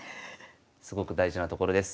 すごく大事なところです。